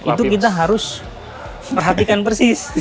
itu kita harus perhatikan persis